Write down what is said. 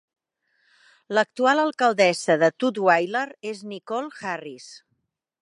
L'actual alcaldessa de Tutwiler és Nichole Harris.